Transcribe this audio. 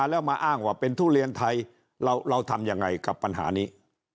แล้วมาอ้างว่าเป็นทุเรียนไทยเราทำยังไงกับปัญหานี้